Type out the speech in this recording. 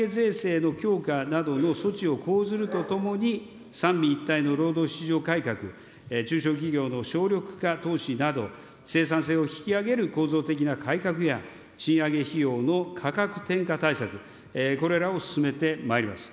賃上げ税制の強化などの措置を講ずるとともに、三位一体の労働市場改革、中小企業の省力化投資など、生産性を引き上げる構造的な改革や、賃上げ費用の価格転嫁対策、これらを進めてまいります。